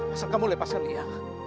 asal kamu lepaskan lia